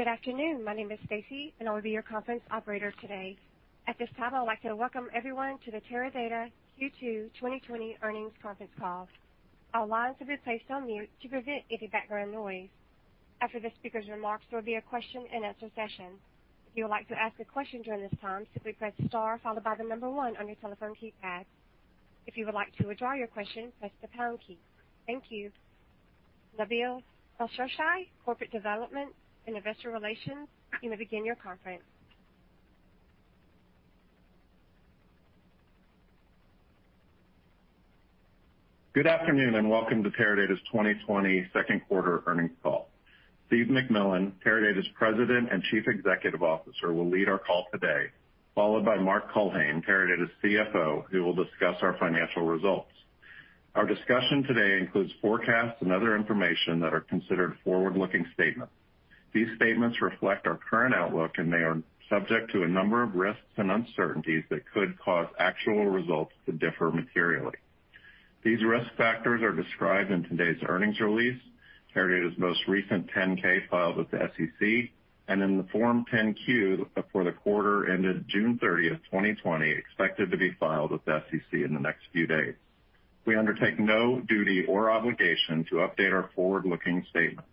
Good afternoon. My name is Stacy, and I'll be your conference operator today. At this time, I'd like to welcome everyone to the Teradata Q2 2020 earnings conference call. All lines have been placed on mute to prevent any background noise. After the speaker's remarks, there will be a question-and-answer session. If you would like to ask a question during this time, simply press star, followed by the number 1 on your telephone keypad. If you would like to withdraw your question, press the pound key. Thank you. Nabil Elsheshai, Corporate Development and Investor Relations, you may begin your conference. Good afternoon, welcome to Teradata's 2020 second quarter earnings call. Steve McMillan, Teradata's President and Chief Executive Officer, will lead our call today, followed by Mark Culhane, Teradata's CFO, who will discuss our financial results. Our discussion today includes forecasts and other information that are considered forward-looking statements. These statements reflect our current outlook, they are subject to a number of risks and uncertainties that could cause actual results to differ materially. These risk factors are described in today's earnings release, Teradata's most recent 10-K filed with the SEC, in the Form 10-Q for the quarter ended June 30th, 2020, expected to be filed with the SEC in the next few days. We undertake no duty or obligation to update our forward-looking statements.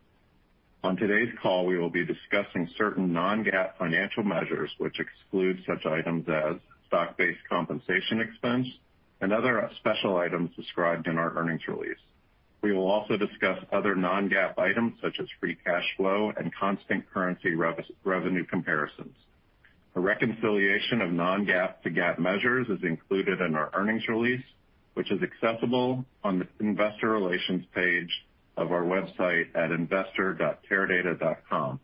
On today's call, we will be discussing certain non-GAAP financial measures, which exclude such items as stock-based compensation expense and other special items described in our earnings release. We will also discuss other non-GAAP items, such as free cash flow and constant currency revenue comparisons. A reconciliation of non-GAAP to GAAP measures is included in our earnings release, which is accessible on the investor relations page of our website at investor.teradata.com.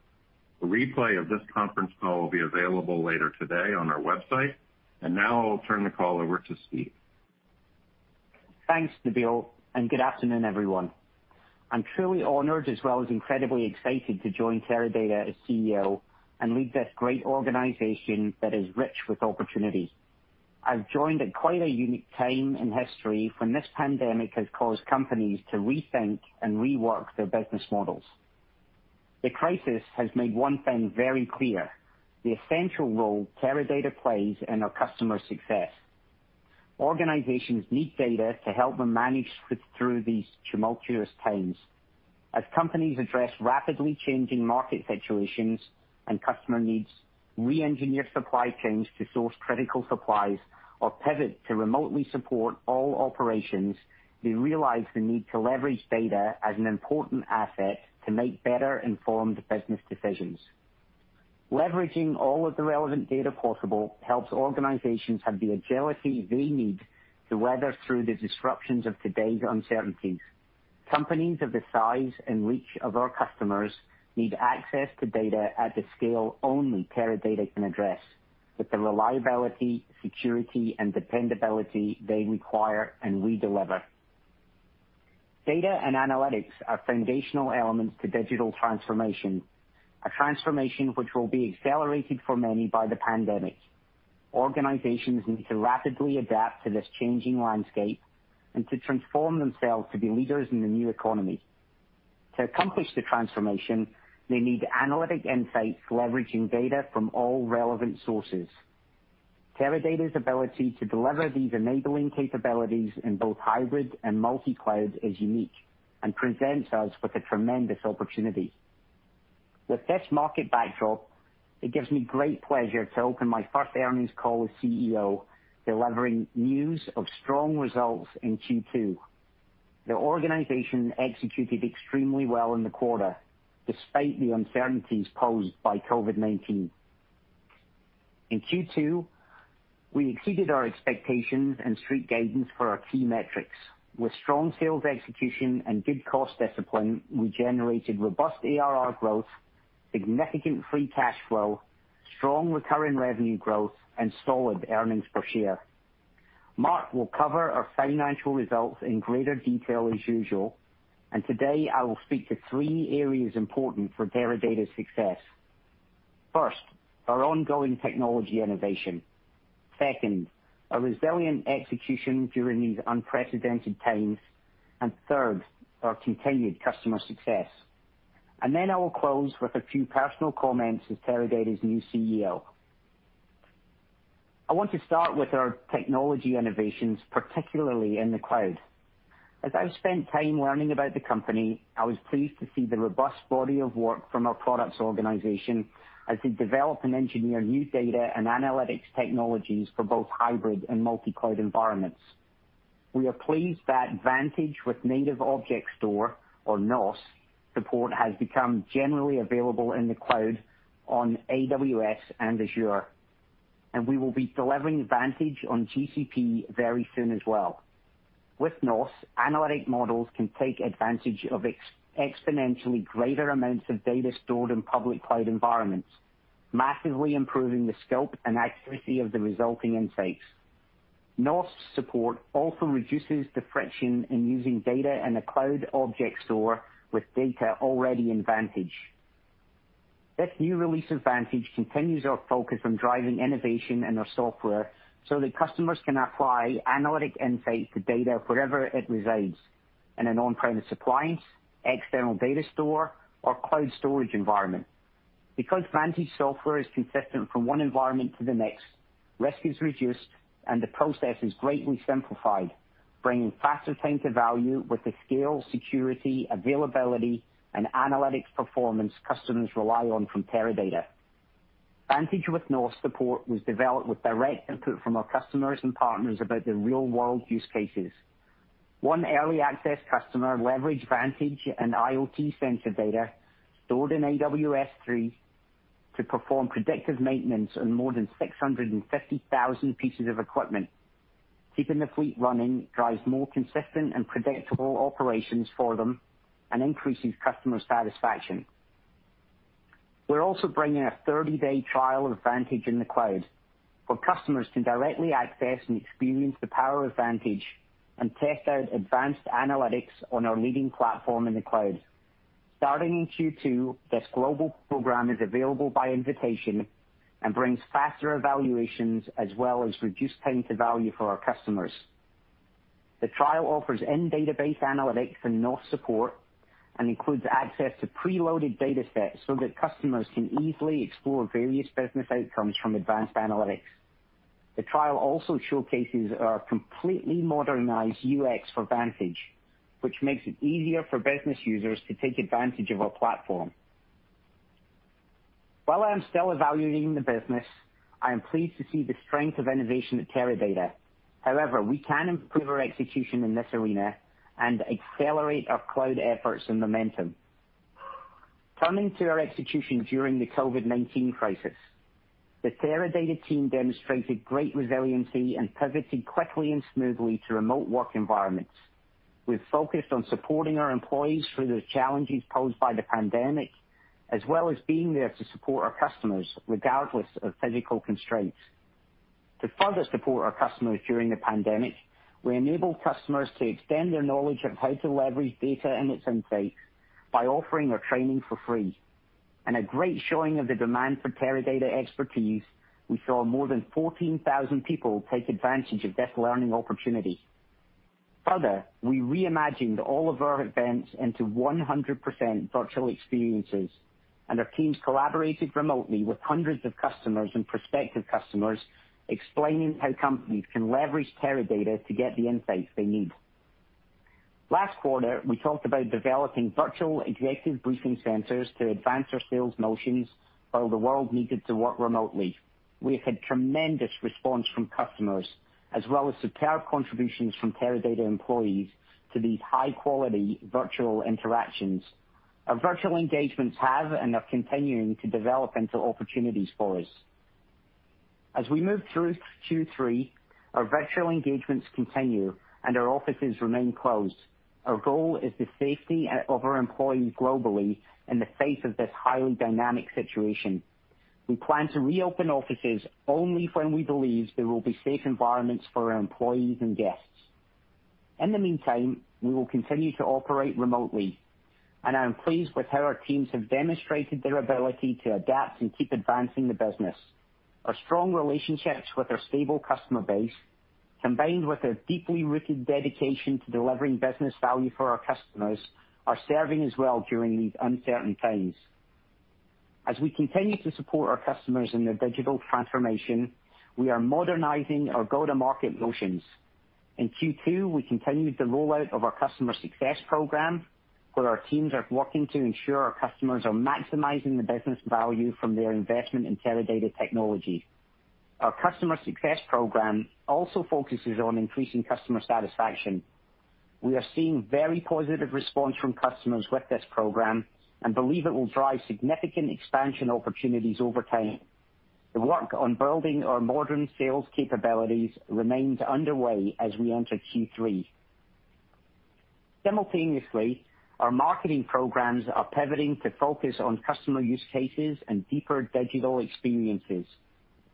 A replay of this conference call will be available later today on our website. Now I will turn the call over to Steve. Thanks, Nabil. Good afternoon, everyone. I'm truly honored as well as incredibly excited to join Teradata as CEO and lead this great organization that is rich with opportunities. I've joined at quite a unique time in history when this pandemic has caused companies to rethink and rework their business models. The crisis has made one thing very clear, the essential role Teradata plays in our customer success. Organizations need data to help them manage through these tumultuous times. As companies address rapidly changing market situations and customer needs, re-engineer supply chains to source critical supplies, or pivot to remotely support all operations, they realize the need to leverage data as an important asset to make better informed business decisions. Leveraging all of the relevant data possible helps organizations have the agility they need to weather through the disruptions of today's uncertainties. Companies of the size and reach of our customers need access to data at the scale only Teradata can address, with the reliability, security, and dependability they require and we deliver. Data and analytics are foundational elements to digital transformation, a transformation which will be accelerated for many by the pandemic. Organizations need to rapidly adapt to this changing landscape and to transform themselves to be leaders in the new economy. To accomplish the transformation, they need analytic insights leveraging data from all relevant sources. Teradata's ability to deliver these enabling capabilities in both hybrid and multi-cloud is unique and presents us with a tremendous opportunity. With this market backdrop, it gives me great pleasure to open my first earnings call as CEO, delivering news of strong results in Q2. The organization executed extremely well in the quarter, despite the uncertainties posed by COVID-19. In Q2, we exceeded our expectations and Street guidance for our key metrics. With strong sales execution and good cost discipline, we generated robust ARR growth, significant free cash flow, strong recurring revenue growth, and solid earnings per share. Mark will cover our financial results in greater detail as usual. Today I will speak to three areas important for Teradata's success. First, our ongoing technology innovation. Second, our resilient execution during these unprecedented times. Third, our continued customer success. I will close with a few personal comments as Teradata's new CEO. I want to start with our technology innovations, particularly in the cloud. As I've spent time learning about the company, I was pleased to see the robust body of work from our products organization as they develop and engineer new data and analytics technologies for both hybrid and multi-cloud environments. We are pleased that Vantage with Native Object Store, or NOS support, has become generally available in the cloud on AWS and Azure. We will be delivering Vantage on GCP very soon as well. With NOS, analytic models can take advantage of exponentially greater amounts of data stored in public cloud environments, massively improving the scope and accuracy of the resulting insights. NOS support also reduces the friction in using data in a cloud object store with data already in Vantage. This new release of Vantage continues our focus on driving innovation in our software so that customers can apply analytic insights to data wherever it resides. In an on-premise appliance, external data store, or cloud storage environment. Because Vantage software is consistent from one environment to the next, risk is reduced, and the process is greatly simplified, bringing faster time to value with the scale, security, availability, and analytics performance customers rely on from Teradata. Vantage with NOS support was developed with direct input from our customers and partners about their real-world use cases. One early access customer leveraged Vantage and IoT sensor data stored in AWS S3 to perform predictive maintenance on more than 650,000 pieces of equipment. Keeping the fleet running drives more consistent and predictable operations for them and increases customer satisfaction. We're also bringing a 30-day trial of Vantage in the cloud where customers can directly access and experience the power of Vantage and test out advanced analytics on our leading platform in the cloud. Starting in Q2, this global program is available by invitation and brings faster evaluations as well as reduced time to value for our customers. The trial offers in-database analytics and NOS support and includes access to preloaded datasets so that customers can easily explore various business outcomes from advanced analytics. The trial also showcases our completely modernized UX for Vantage, which makes it easier for business users to take advantage of our platform. While I'm still evaluating the business, I am pleased to see the strength of innovation at Teradata. However, we can improve our execution in this arena and accelerate our cloud efforts and momentum. Turning to our execution during the COVID-19 crisis, the Teradata team demonstrated great resiliency and pivoted quickly and smoothly to remote work environments. We've focused on supporting our employees through the challenges posed by the pandemic, as well as being there to support our customers regardless of physical constraints. To further support our customers during the pandemic, we enabled customers to extend their knowledge of how to leverage data and its insights by offering our training for free. In a great showing of the demand for Teradata expertise, we saw more than 14,000 people take advantage of this learning opportunity. Further, we reimagined all of our events into 100% virtual experiences, and our teams collaborated remotely with hundreds of customers and prospective customers, explaining how companies can leverage Teradata to get the insights they need. Last quarter, we talked about developing virtual executive briefing centers to advance our sales motions while the world needed to work remotely. We've had tremendous response from customers as well as superb contributions from Teradata employees to these high-quality virtual interactions. Our virtual engagements have and are continuing to develop into opportunities for us. As we move through Q3, our virtual engagements continue, and our offices remain closed. Our goal is the safety of our employees globally in the face of this highly dynamic situation. We plan to reopen offices only when we believe they will be safe environments for our employees and guests. In the meantime, we will continue to operate remotely, and I am pleased with how our teams have demonstrated their ability to adapt and keep advancing the business. Our strong relationships with our stable customer base, combined with a deeply rooted dedication to delivering business value for our customers, are serving us well during these uncertain times. As we continue to support our customers in their digital transformation, we are modernizing our go-to-market motions. In Q2, we continued the rollout of our Customer Success Program, where our teams are working to ensure our customers are maximizing the business value from their investment in Teradata technology. Our Customer Success Program also focuses on increasing customer satisfaction. We are seeing very positive response from customers with this program and believe it will drive significant expansion opportunities over time. The work on building our modern sales capabilities remains underway as we enter Q3. Simultaneously, our marketing programs are pivoting to focus on customer use cases and deeper digital experiences.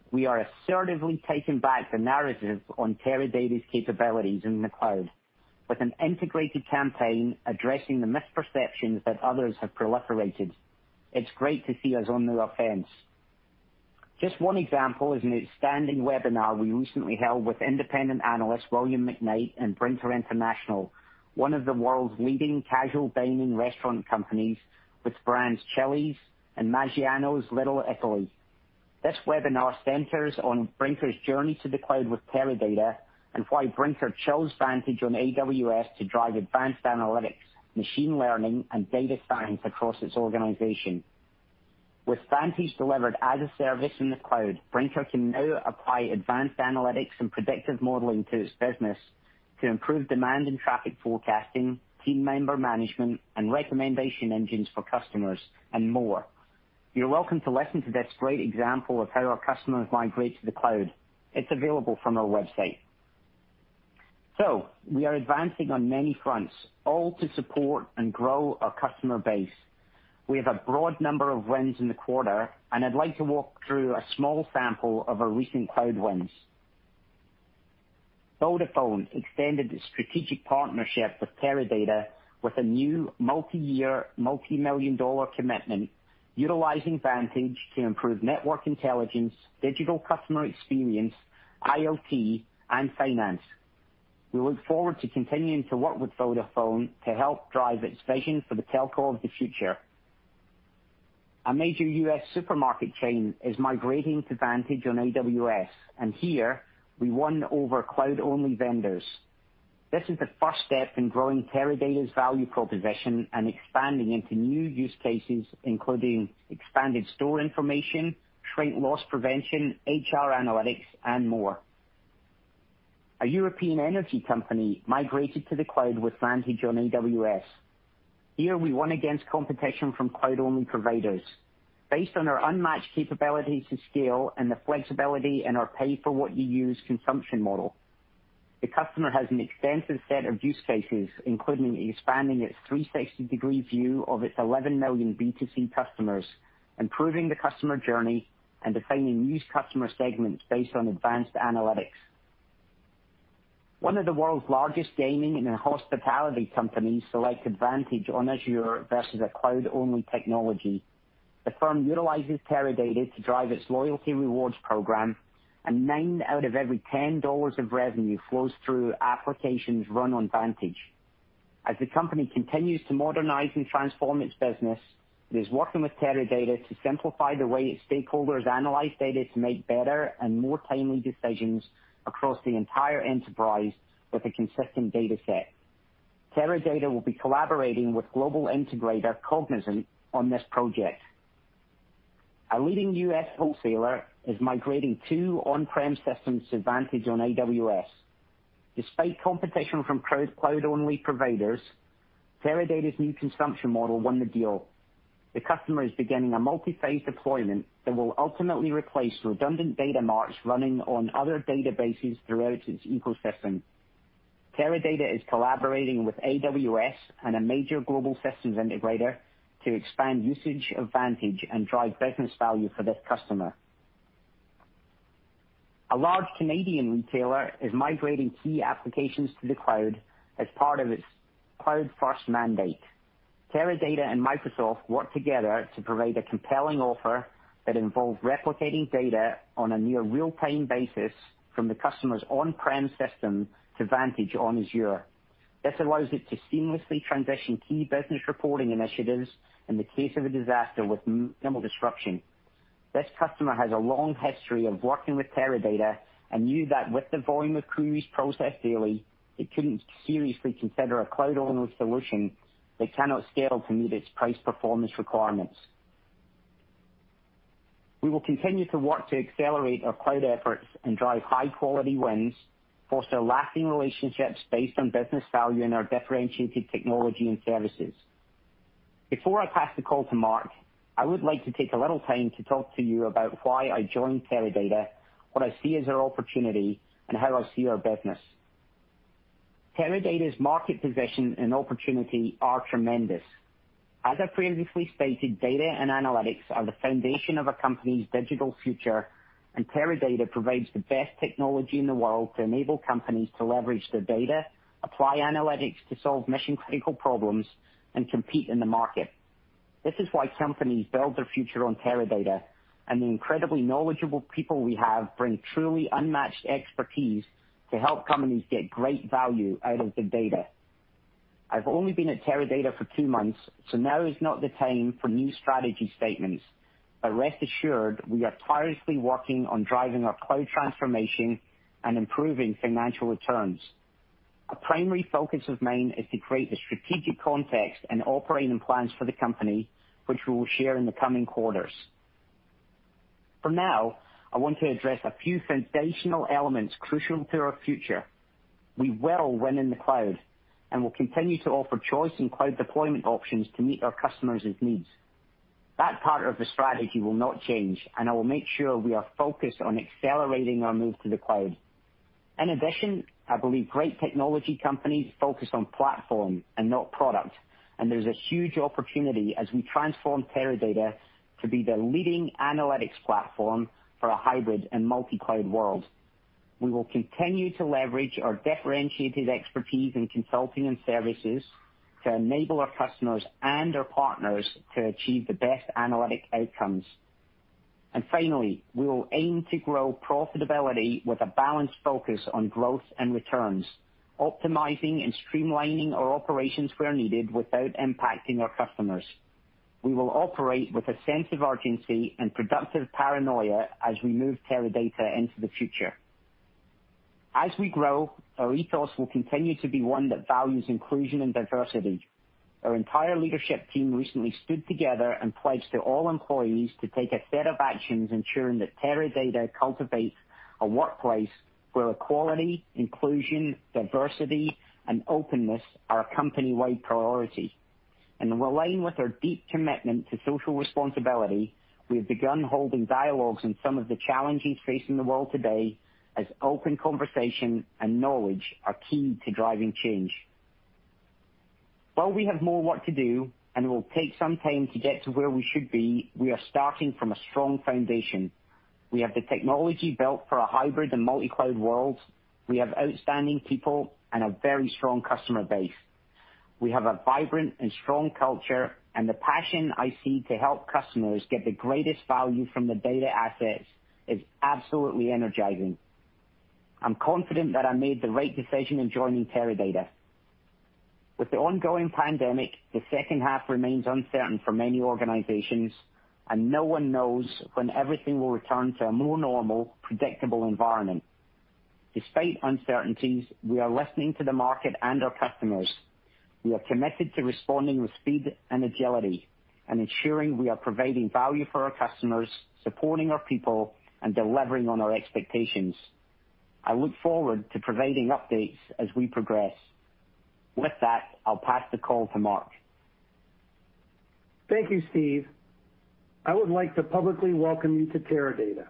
We are assertively taking back the narrative on Teradata's capabilities in the cloud with an integrated campaign addressing the misperceptions that others have proliferated. It's great to see us on the offense. Just one example is an outstanding webinar we recently held with independent analyst William McKnight and Brinker International, one of the world's leading casual dining restaurant companies with brands Chili's and Maggiano's Little Italy. This webinar centers on Brinker's journey to the cloud with Teradata and why Brinker chose Vantage on AWS to drive advanced analytics, machine learning, and data science across its organization. With Vantage delivered as a service in the cloud, Brinker can now apply advanced analytics and predictive modeling to its business to improve demand and traffic forecasting, team member management, and recommendation engines for customers, and more. You're welcome to listen to this great example of how our customers migrate to the cloud. It's available from our website. We are advancing on many fronts, all to support and grow our customer base. We have a broad number of wins in the quarter, and I'd like to walk through a small sample of our recent cloud wins. Vodafone extended its strategic partnership with Teradata with a new multi-year, multi-million dollar commitment, utilizing Vantage to improve network intelligence, digital customer experience, IoT, and finance. We look forward to continuing to work with Vodafone to help drive its vision for the telco of the future. A major U.S. supermarket chain is migrating to Vantage on AWS, and here we won over cloud-only vendors. This is the first step in growing Teradata's value proposition and expanding into new use cases, including expanded store information, shrink loss prevention, HR analytics, and more. A European energy company migrated to the cloud with Vantage on AWS. Here we won against competition from cloud-only providers based on our unmatched capability to scale and the flexibility in our pay-for-what-you-use consumption model. The customer has an extensive set of use cases, including expanding its 360-degree view of its 11 million B2C customers, improving the customer journey, and defining new customer segments based on advanced analytics. One of the world's largest gaming and hospitality companies selected Vantage on Azure versus a cloud-only technology. The firm utilizes Teradata to drive its loyalty rewards program, and nine out of every $10 of revenue flows through applications run on Vantage. As the company continues to modernize and transform its business, it is working with Teradata to simplify the way its stakeholders analyze data to make better and more timely decisions across the entire enterprise with a consistent data set. Teradata will be collaborating with global integrator, Cognizant, on this project. A leading U.S. wholesaler is migrating two on-prem systems to Vantage on AWS. Despite competition from cloud-only providers, Teradata's new consumption model won the deal. The customer is beginning a multi-phase deployment that will ultimately replace redundant data marts running on other databases throughout its ecosystem. Teradata is collaborating with AWS and a major global systems integrator to expand usage of Vantage and drive business value for this customer. A large Canadian retailer is migrating key applications to the cloud as part of its cloud-first mandate. Teradata and Microsoft worked together to provide a compelling offer that involved replicating data on a near real-time basis from the customer's on-prem system to Vantage on Azure. This allows it to seamlessly transition key business reporting initiatives in the case of a disaster with minimal disruption. This customer has a long history of working with Teradata and knew that with the volume of queries processed daily, it couldn't seriously consider a cloud-only solution that cannot scale to meet its price-performance requirements. We will continue to work to accelerate our cloud efforts and drive high-quality wins, foster lasting relationships based on business value and our differentiated technology and services. Before I pass the call to Mark, I would like to take a little time to talk to you about why I joined Teradata, what I see as our opportunity, and how I see our business. Teradata's market position and opportunity are tremendous. As I previously stated, data and analytics are the foundation of a company's digital future. Teradata provides the best technology in the world to enable companies to leverage their data, apply analytics to solve mission-critical problems, and compete in the market. This is why companies build their future on Teradata. The incredibly knowledgeable people we have bring truly unmatched expertise to help companies get great value out of their data. I've only been at Teradata for two months, so now is not the time for new strategy statements. Rest assured, we are tirelessly working on driving our cloud transformation and improving financial returns. A primary focus of mine is to create the strategic context and operating plans for the company, which we will share in the coming quarters. For now, I want to address a few foundational elements crucial to our future. We will win in the cloud, and we'll continue to offer choice in cloud deployment options to meet our customers' needs. That part of the strategy will not change, and I will make sure we are focused on accelerating our move to the cloud. In addition, I believe great technology companies focus on platform and not product, and there's a huge opportunity as we transform Teradata to be the leading analytics platform for a hybrid and multi-cloud world. We will continue to leverage our differentiated expertise in consulting and services to enable our customers and our partners to achieve the best analytic outcomes. Finally, we will aim to grow profitability with a balanced focus on growth and returns, optimizing and streamlining our operations where needed without impacting our customers. We will operate with a sense of urgency and productive paranoia as we move Teradata into the future. As we grow, our ethos will continue to be one that values inclusion and diversity. Our entire leadership team recently stood together and pledged to all employees to take a set of actions ensuring that Teradata cultivates a workplace where equality, inclusion, diversity, and openness are a company-wide priority. Aligned with our deep commitment to social responsibility, we have begun holding dialogues on some of the challenges facing the world today, as open conversation and knowledge are key to driving change. While we have more work to do, and it will take some time to get to where we should be, we are starting from a strong foundation. We have the technology built for a hybrid and multi-cloud world. We have outstanding people and a very strong customer base. We have a vibrant and strong culture, and the passion I see to help customers get the greatest value from their data assets is absolutely energizing. I'm confident that I made the right decision in joining Teradata. With the ongoing pandemic, the second half remains uncertain for many organizations, and no one knows when everything will return to a more normal, predictable environment. Despite uncertainties, we are listening to the market and our customers. We are committed to responding with speed and agility, and ensuring we are providing value for our customers, supporting our people, and delivering on our expectations. I look forward to providing updates as we progress. With that, I'll pass the call to Mark. Thank you, Steve. I would like to publicly welcome you to Teradata.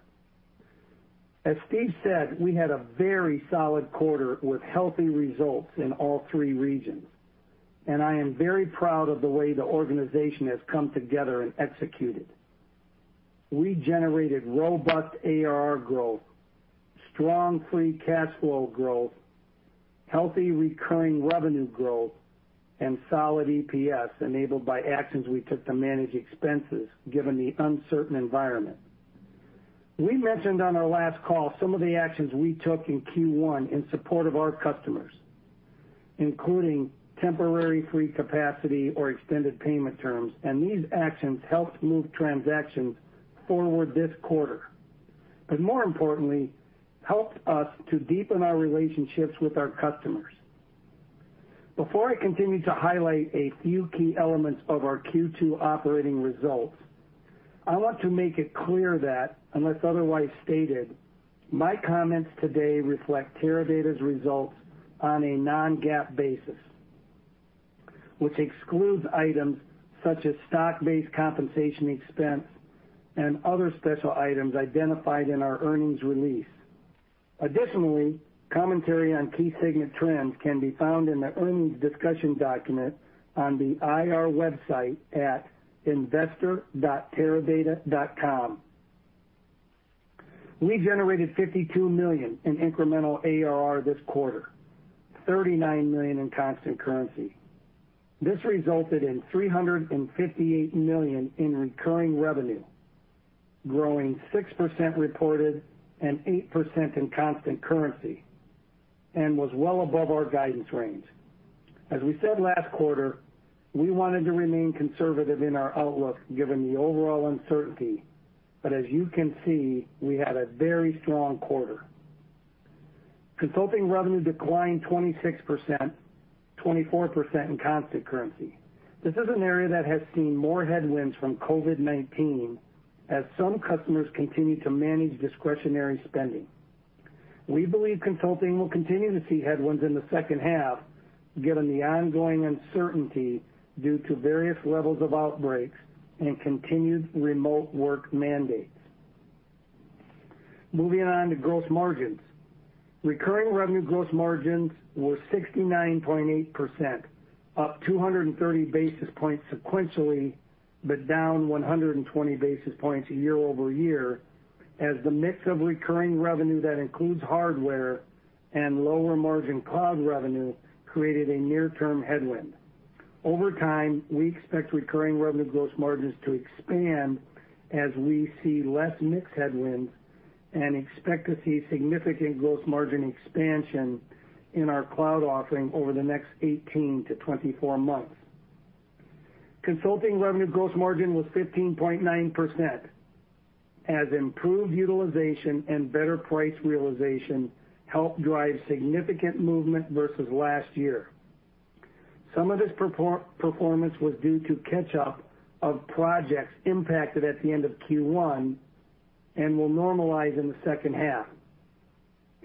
As Steve said, we had a very solid quarter with healthy results in all three regions, and I am very proud of the way the organization has come together and executed. We generated robust ARR growth, strong free cash flow growth, healthy recurring revenue growth, and solid EPS enabled by actions we took to manage expenses, given the uncertain environment. We mentioned on our last call some of the actions we took in Q1 in support of our customers, including temporary free capacity or extended payment terms, and these actions helped move transactions forward this quarter, but more importantly, helped us to deepen our relationships with our customers. Before I continue to highlight a few key elements of our Q2 operating results, I want to make it clear that, unless otherwise stated, my comments today reflect Teradata's results on a non-GAAP basis, which excludes items such as stock-based compensation expense and other special items identified in our earnings release. Additionally, commentary on key segment trends can be found in the earnings discussion document on the IR website at investor.teradata.com. We generated $52 million in incremental ARR this quarter, $39 million in constant currency. This resulted in $358 million in recurring revenue, growing 6% reported and 8% in constant currency, and was well above our guidance range. As we said last quarter, we wanted to remain conservative in our outlook given the overall uncertainty. As you can see, we had a very strong quarter. Consulting revenue declined 26%, 24% in constant currency. This is an area that has seen more headwinds from COVID-19 as some customers continue to manage discretionary spending. We believe consulting will continue to see headwinds in the second half, given the ongoing uncertainty due to various levels of outbreaks and continued remote work mandates. Moving on to gross margins. Recurring revenue gross margins were 69.8%, up 230 basis points sequentially, but down 120 basis points year-over-year, as the mix of recurring revenue that includes hardware and lower margin cloud revenue created a near-term headwind. Over time, we expect recurring revenue gross margins to expand as we see less mix headwinds and expect to see significant gross margin expansion in our cloud offering over the next 18 to 24 months. Consulting revenue gross margin was 15.9%, as improved utilization and better price realization helped drive significant movement versus last year. Some of this performance was due to catch-up of projects impacted at the end of Q1 and will normalize in the second half.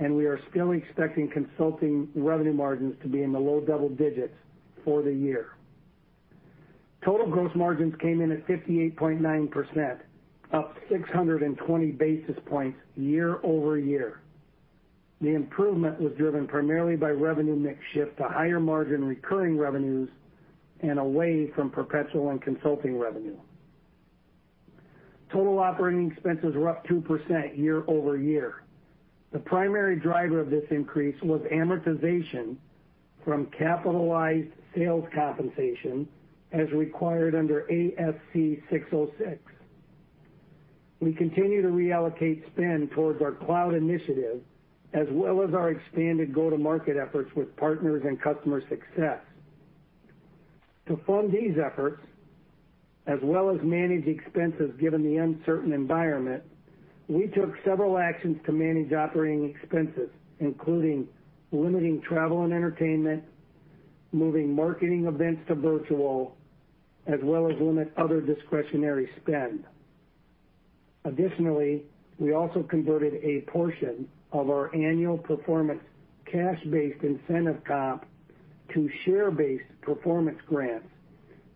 We are still expecting consulting revenue margins to be in the low double digits for the year. Total gross margins came in at 58.9%, up 620 basis points year-over-year. The improvement was driven primarily by revenue mix shift to higher margin recurring revenues and away from perpetual and consulting revenue. Total operating expenses were up 2% year-over-year. The primary driver of this increase was amortization from capitalized sales compensation as required under ASC 606. We continue to reallocate spend towards our cloud initiative, as well as our expanded go-to-market efforts with partners and customer success. To fund these efforts, as well as manage expenses given the uncertain environment, we took several actions to manage operating expenses, including limiting travel and entertainment, moving marketing events to virtual, as well as limit other discretionary spend. We also converted a portion of our annual performance cash-based incentive comp to share-based performance grants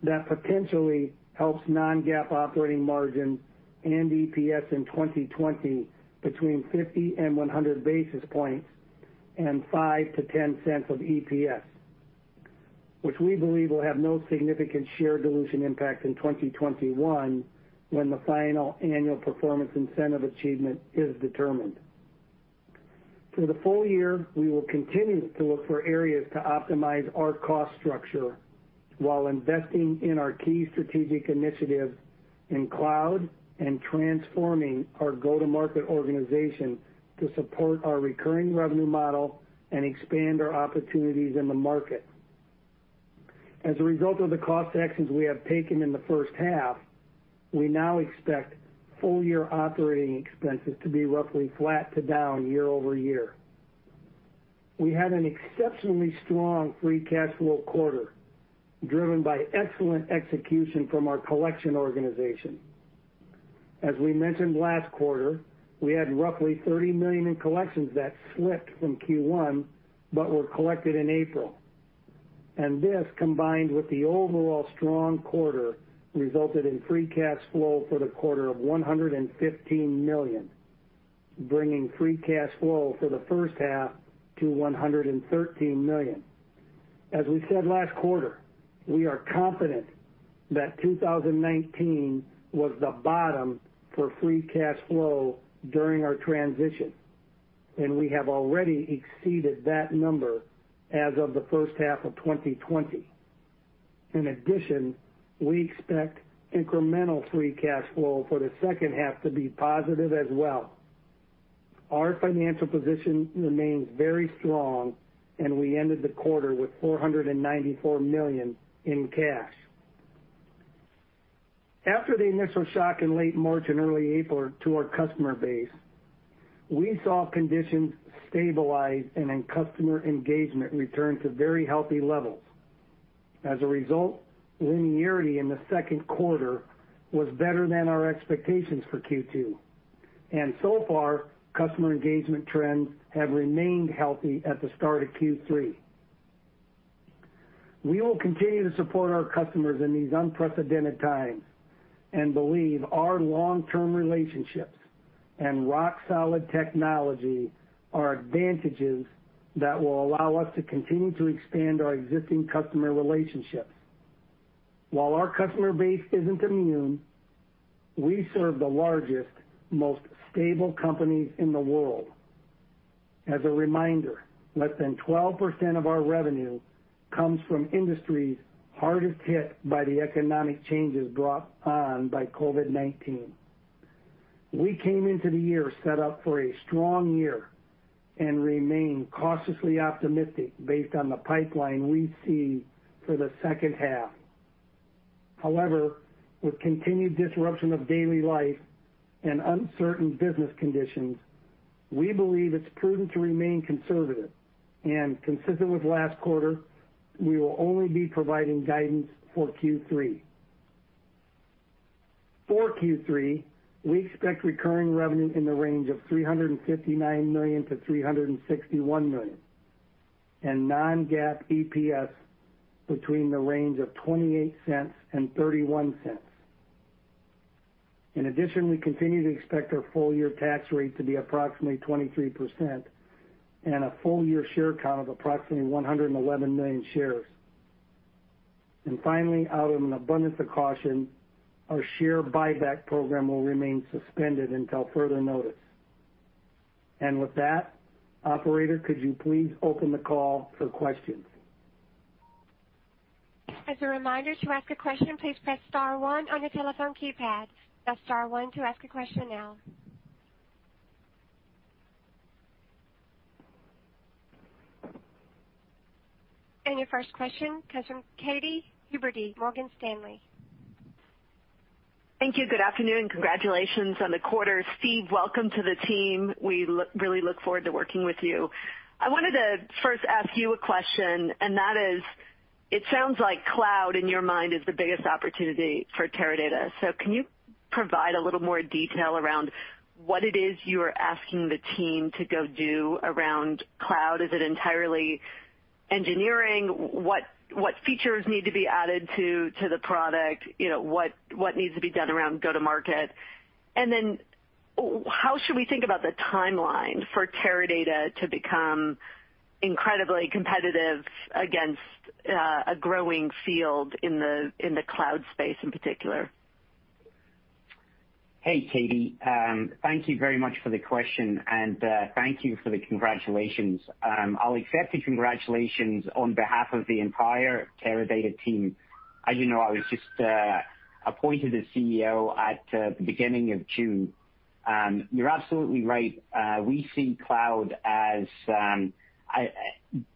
that potentially helps non-GAAP operating margin and EPS in 2020 between 50 and 100 basis points and $0.05 to $0.10 of EPS, which we believe will have no significant share dilution impact in 2021 when the final annual performance incentive achievement is determined. For the full year, we will continue to look for areas to optimize our cost structure while investing in our key strategic initiatives in cloud and transforming our go-to-market organization to support our recurring revenue model and expand our opportunities in the market. As a result of the cost actions we have taken in the first half, we now expect full-year operating expenses to be roughly flat to down year-over-year. We had an exceptionally strong free cash flow quarter, driven by excellent execution from our collection organization. As we mentioned last quarter, we had roughly $30 million in collections that slipped from Q1 but were collected in April. This, combined with the overall strong quarter, resulted in free cash flow for the quarter of $115 million, bringing free cash flow for the first half to $113 million. As we said last quarter, we are confident that 2019 was the bottom for free cash flow during our transition, and we have already exceeded that number as of the first half of 2020. In addition, we expect incremental free cash flow for the second half to be positive as well. Our financial position remains very strong, and we ended the quarter with $494 million in cash. After the initial shock in late March and early April to our customer base, we saw conditions stabilize and then customer engagement return to very healthy levels. As a result, linearity in the second quarter was better than our expectations for Q2. Far, customer engagement trends have remained healthy at the start of Q3. We will continue to support our customers in these unprecedented times and believe our long-term relationships and rock-solid technology are advantages that will allow us to continue to expand our existing customer relationships. While our customer base isn't immune, we serve the largest, most stable companies in the world. As a reminder, less than 12% of our revenue comes from industries hardest hit by the economic changes brought on by COVID-19. We came into the year set up for a strong year and remain cautiously optimistic based on the pipeline we see for the second half. However, with continued disruption of daily life and uncertain business conditions, we believe it's prudent to remain conservative, and consistent with last quarter, we will only be providing guidance for Q3. For Q3, we expect recurring revenue in the range of $359 million-$361 million, and non-GAAP EPS between the range of $0.28 and $0.31. In addition, we continue to expect our full-year tax rate to be approximately 23% and a full-year share count of approximately 111 million shares. Finally, out of an abundance of caution, our share buyback program will remain suspended until further notice. With that, operator, could you please open the call for questions? As a reminder, to ask a question, please press star one on your telephone keypad. That's star one to ask a question now. Your first question comes from Katy Huberty, Morgan Stanley. Thank you. Good afternoon. Congratulations on the quarter. Steve, welcome to the team. We really look forward to working with you. I wanted to first ask you a question, and that is, it sounds like cloud, in your mind, is the biggest opportunity for Teradata. Can you provide a little more detail around what it is you are asking the team to go do around cloud? Is it entirely engineering? What features need to be added to the product? What needs to be done around go to market? How should we think about the timeline for Teradata to become incredibly competitive against a growing field in the cloud space in particular? Hey, Katy. Thank you very much for the question, and thank you for the congratulations. I'll accept the congratulations on behalf of the entire Teradata team. As you know, I was just appointed as CEO at the beginning of June. You're absolutely right. We see cloud as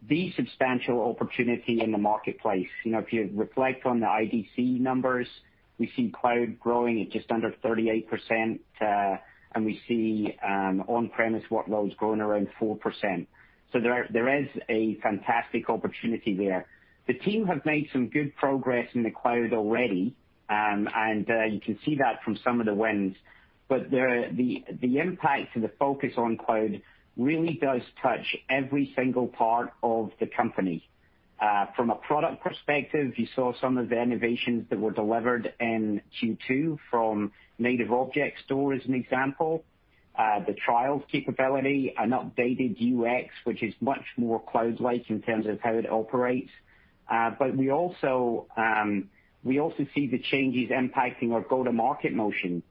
the substantial opportunity in the marketplace. If you reflect on the IDC numbers, we see cloud growing at just under 38%, and we see on-premise workloads growing around 4%. There is a fantastic opportunity there. The team have made some good progress in the cloud already, and you can see that from some of the wins. The impact and the focus on cloud really does touch every single part of the company. From a product perspective, you saw some of the innovations that were delivered in Q2 from Native Object Store, as an example. The trials capability, an updated UX, which is much more cloud-like in terms of how it operates. We also see the changes impacting our go-to-market motion.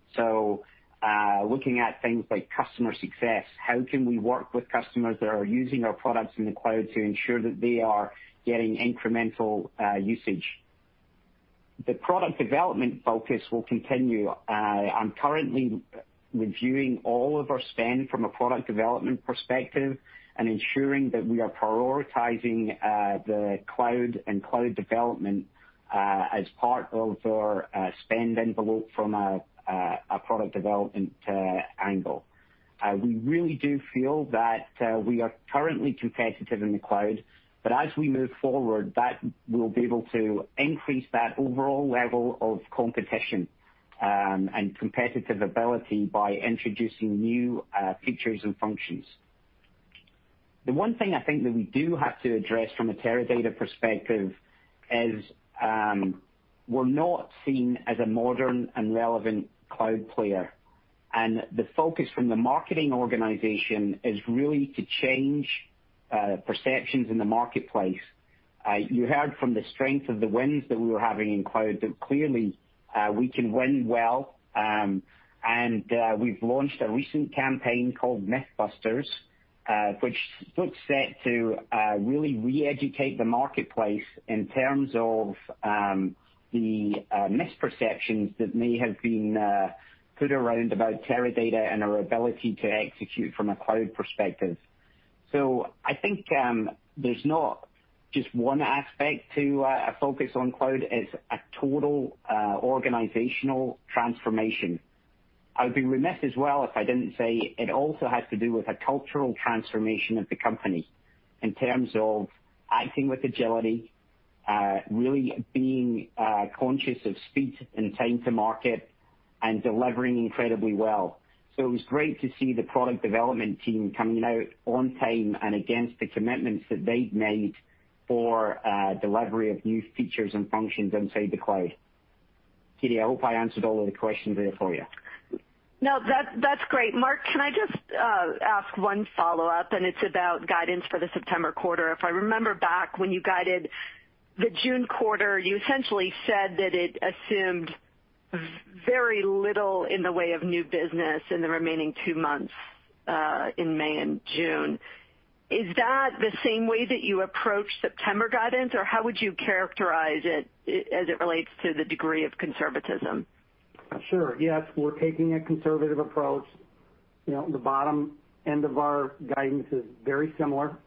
Looking at things like customer success, how can we work with customers that are using our products in the cloud to ensure that they are getting incremental usage? The product development focus will continue. I'm currently reviewing all of our spend from a product development perspective and ensuring that we are prioritizing the cloud and cloud development, as part of our spend envelope from a product development angle. We really do feel that we are currently competitive in the cloud, but as we move forward, that we'll be able to increase that overall level of competition, and competitive ability by introducing new features and functions. The one thing I think that we do have to address from a Teradata perspective is, we're not seen as a modern and relevant cloud player. The focus from the marketing organization is really to change perceptions in the marketplace. You heard from the strength of the wins that we were having in cloud that clearly, we can win well, and we've launched a recent campaign called Mythbusters, which looks set to really re-educate the marketplace in terms of the misperceptions that may have been put around about Teradata and our ability to execute from a cloud perspective. I think there's not just one aspect to a focus on cloud. It's a total organizational transformation. I would be remiss as well if I didn't say it also has to do with a cultural transformation of the company in terms of acting with agility, really being conscious of speed and time to market and delivering incredibly well. It was great to see the product development team coming out on time and against the commitments that they'd made for delivery of new features and functions inside the cloud. Katy, I hope I answered all of the questions there for you. No, that's great. Mark, can I just ask one follow-up, and it's about guidance for the September quarter. If I remember back when you guided the June quarter, you essentially said that it assumed very little in the way of new business in the remaining two months, in May and June. Is that the same way that you approach September guidance, or how would you characterize it as it relates to the degree of conservatism? Sure. Yes, we're taking a conservative approach. The bottom end of our guidance is very similar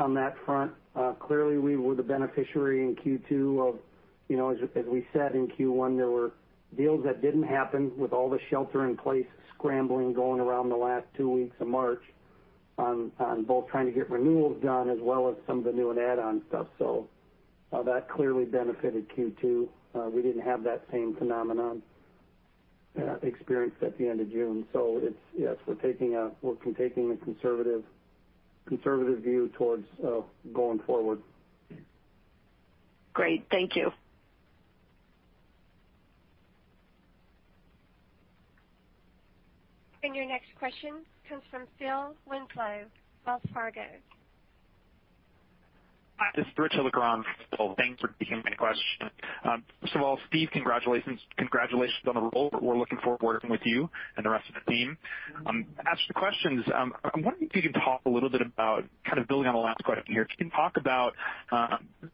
on that front. Clearly, we were the beneficiary in Q2 of, as we said in Q1, there were deals that didn't happen with all the shelter in place scrambling going around the last two weeks of March on both trying to get renewals done as well as some of the new and add-on stuff. That clearly benefited Q2. We didn't have that same phenomenon experienced at the end of June. Yes, we're taking a conservative view towards going forward. Great. Thank you. Your next question comes from Philip Winslow, Wells Fargo. Hi, this is Rich. Thanks for taking my question. First of all, Steve, congratulations on the role, we're looking forward to working with you and the rest of the team. I'm wondering if you can talk a little bit about, kind of building on the last question here, can you talk about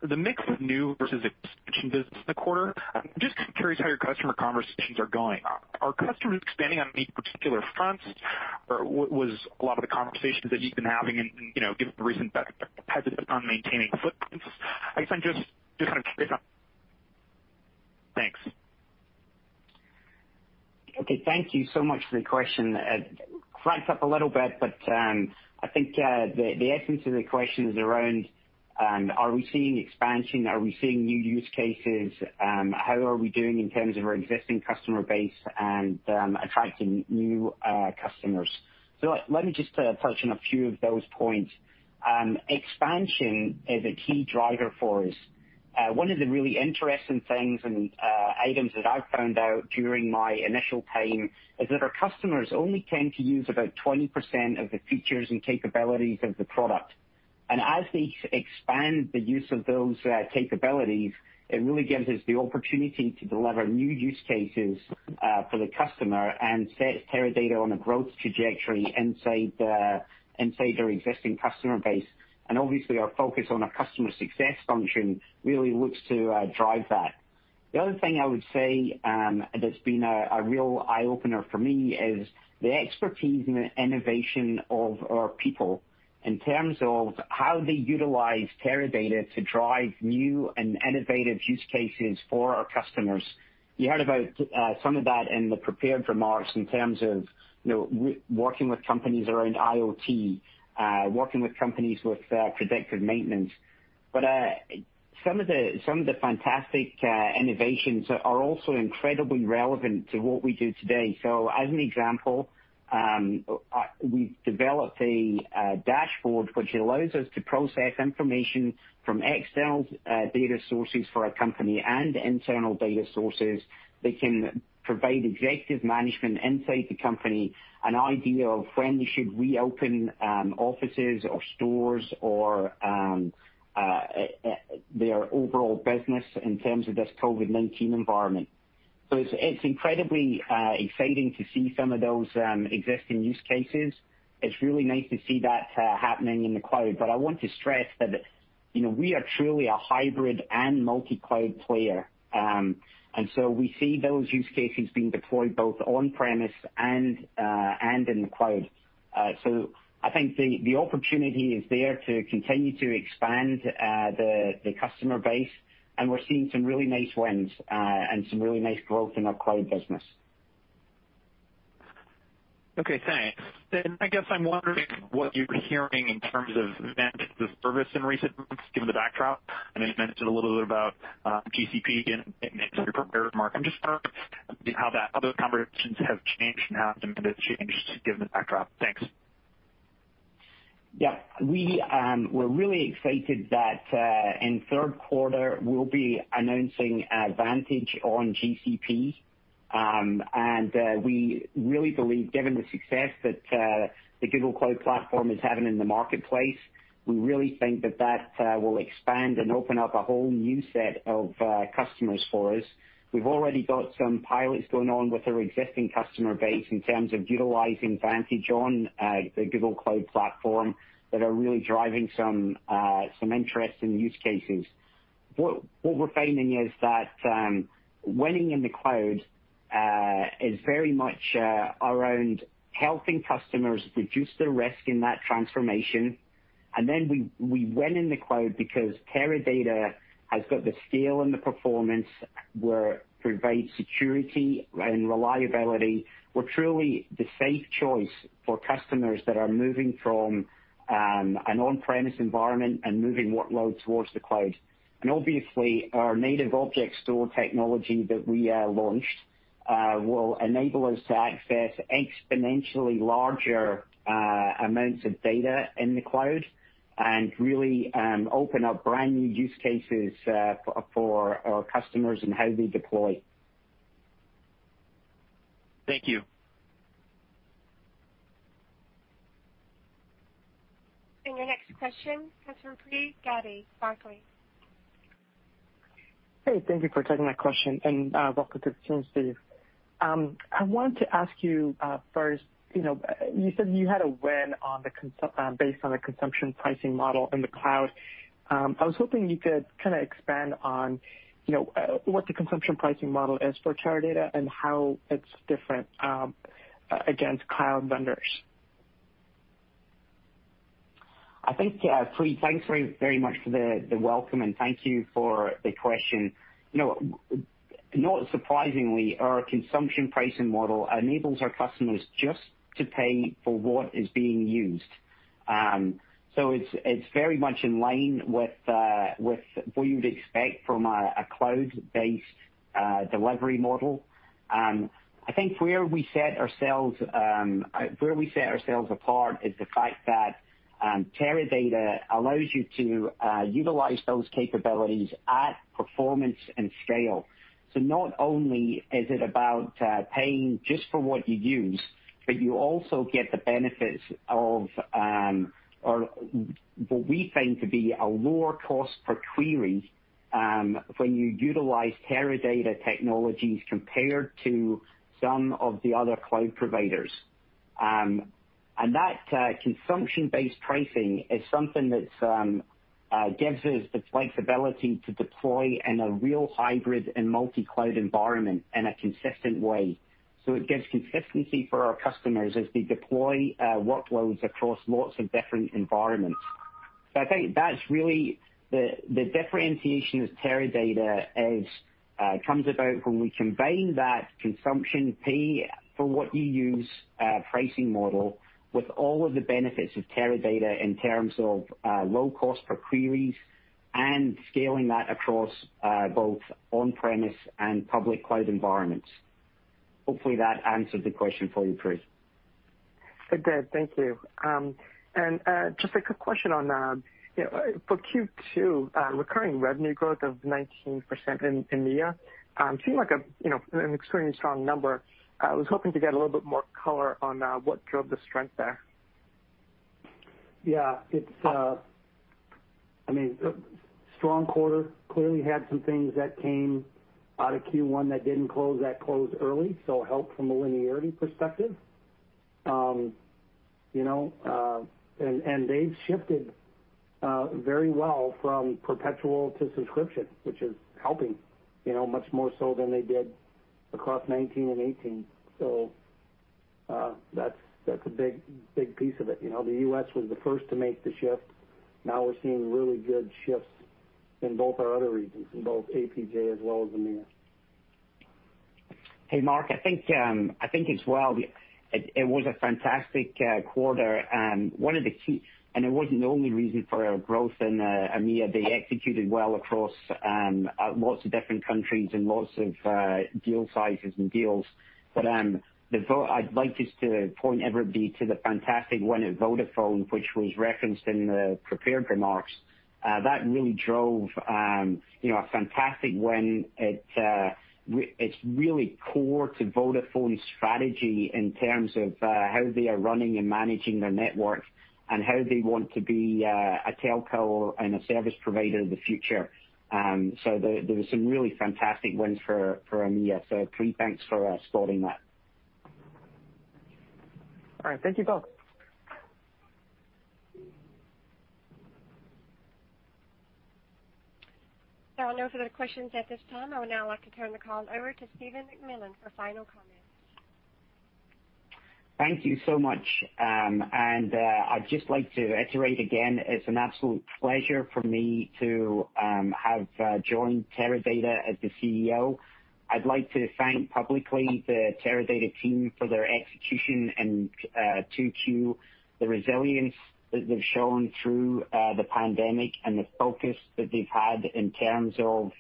the mix of new versus extension business in the quarter? I'm just curious how your customer conversations are going. Are customers expanding on any particular fronts? Was a lot of the conversations that you've been having and given the recent hesitance on maintaining footprints? Thanks. Okay. Thank you so much for the question. Cranks up a little bit, but I think the essence of the question is around. Are we seeing expansion? Are we seeing new use cases? How are we doing in terms of our existing customer base and attracting new customers? Let me just touch on a few of those points. Expansion is a key driver for us. One of the really interesting things and items that I've found out during my initial time is that our customers only tend to use about 20% of the features and capabilities of the product. As they expand the use of those capabilities, it really gives us the opportunity to deliver new use cases for the customer and sets Teradata on a growth trajectory inside their existing customer base. Obviously, our focus on a customer success function really looks to drive that. The other thing I would say that's been a real eye-opener for me is the expertise and innovation of our people in terms of how they utilize Teradata to drive new and innovative use cases for our customers. You heard about some of that in the prepared remarks in terms of working with companies around IoT, working with companies with predictive maintenance. Some of the fantastic innovations are also incredibly relevant to what we do today. As an example, we've developed a dashboard which allows us to process information from external data sources for a company and internal data sources that can provide executive management inside the company, an idea of when you should reopen offices or stores or their overall business in terms of this COVID-19 environment. It's incredibly exciting to see some of those existing use cases. It's really nice to see that happening in the cloud. I want to stress that we are truly a hybrid and multi-cloud player. We see those use cases being deployed both on-premise and in the cloud. I think the opportunity is there to continue to expand the customer base, and we're seeing some really nice wins and some really nice growth in our cloud business. I guess I'm wondering what you're hearing in terms of Vantage as a service in recent months, given the backdrop. I know you mentioned a little bit about GCP, again, it makes your competitive market just how that other conversations have changed and how demand has changed given the backdrop. Thanks. Yeah. We're really excited that in third quarter, we'll be announcing Vantage on GCP. We really believe, given the success that the Google Cloud Platform is having in the marketplace, we really think that that will expand and open up a whole new set of customers for us. We've already got some pilots going on with our existing customer base in terms of utilizing Vantage on the Google Cloud Platform that are really driving some interesting use cases. What we're finding is that winning in the cloud is very much around helping customers reduce their risk in that transformation. We win in the cloud because Teradata has got the scale and the performance. We provide security and reliability. We're truly the safe choice for customers that are moving from an on-premise environment and moving workloads towards the cloud. Obviously, our Native Object Store technology that we launched will enable us to access exponentially larger amounts of data in the cloud and really open up brand-new use cases for our customers and how they deploy. Thank you. Your next question comes from Pree Gadey, Barclays. Hey, thank you for taking my question, and welcome to the team, Steve. I wanted to ask you first, you said you had a win based on the consumption pricing model in the cloud. I was hoping you could expand on what the consumption pricing model is for Teradata and how it's different against cloud vendors. I think, Raimo, thanks very much for the welcome, and thank you for the question. Not surprisingly, our consumption pricing model enables our customers just to pay for what is being used. It's very much in line with what you'd expect from a cloud-based delivery model. I think where we set ourselves apart is the fact that Teradata allows you to utilize those capabilities at performance and scale. Not only is it about paying just for what you use, but you also get the benefits of what we think to be a lower cost per query when you utilize Teradata technologies compared to some of the other cloud providers. That consumption-based pricing is something that gives us the flexibility to deploy in a real hybrid and multi-cloud environment in a consistent way. It gives consistency for our customers as they deploy workloads across lots of different environments. I think that's really the differentiation with Teradata as comes about when we combine that consumption pay for what you use pricing model with all of the benefits of Teradata in terms of low cost per queries and scaling that across both on-premise and public cloud environments. Hopefully, that answered the question for you, Pree. It did. Thank you. Just a quick question on, for Q2, recurring revenue growth of 19% in EMEA seemed like an extremely strong number. I was hoping to get a little bit more color on what drove the strength there. Yeah. It's a strong quarter. Clearly had some things that came out of Q1 that didn't close that closed early, so it helped from a linearity perspective. They've shifted very well from perpetual to subscription, which is helping much more so than they did across 2019 and 2018. That's a big piece of it. The U.S. was the first to make the shift. Now we're seeing really good shifts in both our other regions, in both APJ as well as EMEA. Hey, Mark. I think as well, it was a fantastic quarter. It wasn't the only reason for our growth in EMEA. They executed well across lots of different countries and lots of deal sizes and deals. I'd like just to point everybody to the fantastic win at Vodafone, which was referenced in the prepared remarks. That really drove a fantastic win. It's really core to Vodafone's strategy in terms of how they are running and managing their network, and how they want to be a telco and a service provider of the future. There was some really fantastic wins for EMEA. Great thanks for spotting that. All right. Thank you, both. There are no further questions at this time. I would now like to turn the call over to Steven McMillan for final comments. Thank you so much. I'd just like to iterate again, it's an absolute pleasure for me to have joined Teradata as the CEO. I'd like to thank publicly the Teradata team for their execution in Q2, the resilience that they've shown through the pandemic, and the focus that they've had in terms of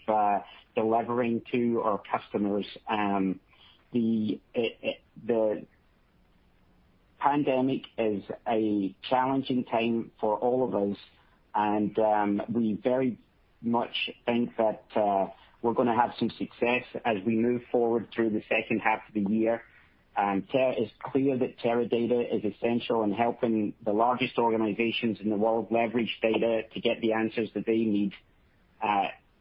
delivering to our customers. The pandemic is a challenging time for all of us, and we very much think that we're going to have some success as we move forward through the second half of the year. It's clear that Teradata is essential in helping the largest organizations in the world leverage data to get the answers that they need.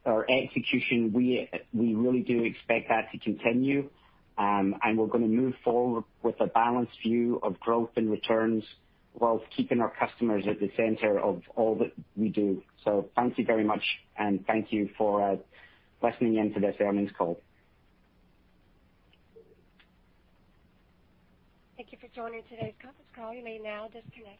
Our execution, we really do expect that to continue, and we're going to move forward with a balanced view of growth and returns whilst keeping our customers at the center of all that we do. Thank you very much, and thank you for listening in to this earnings call. Thank you for joining today's conference call. You may now disconnect.